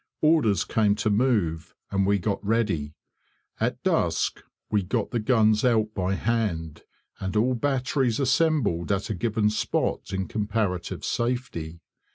Orders came to move, and we got ready. At dusk we got the guns out by hand, and all batteries assembled at a given spot in comparative safety.